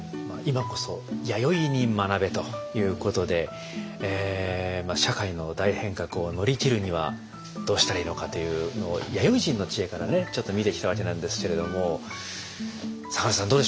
「今こそ弥生に学べ！」ということで社会の大変革を乗り切るにはどうしたらいいのかというのを弥生人の知恵からねちょっと見てきたわけなんですけれども坂野さん